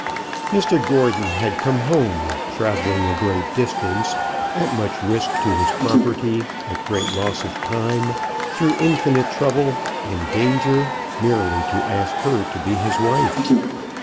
Mr Gordon had come home, travelling a great distance, at much risk to his property, at great loss of time, through infinite trouble and danger, merely to ask her to be his wife.